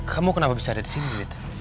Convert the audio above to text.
kamu kenapa bisa ada disini